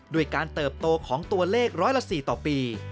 ด้วยการเติบโตของตัวเลขร้อยละ๔ต่อปี